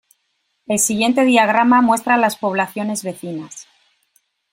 El siguiente diagrama muestra las poblaciones vecinas.